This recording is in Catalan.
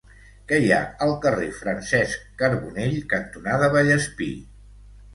Què hi ha al carrer Francesc Carbonell cantonada Vallespir?